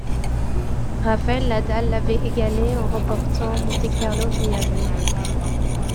Rafael Nadal l'avait égalé en remportant Monte-Carlo mi-avril.